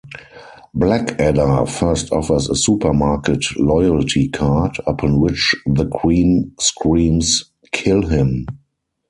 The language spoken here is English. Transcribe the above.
Blackadder first offers a supermarket loyalty card, upon which the Queen screams, Kill him!